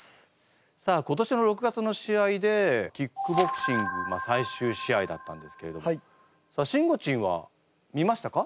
さあ今年の６月の試合でキックボクシング最終試合だったんですけれどもしんごちんは見ましたか？